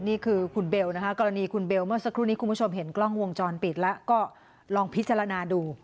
นี่คือคุณเบลนะคะกรณีคุณเบลเมื่อสักครู่นี้คุณผู้ชมเห็นกล้องวงจรปิดแล้วก็ลองพิจารณาดู